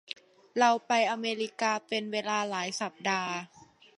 เราไปอเมริกาเป็นเวลาหลายสัปดาห์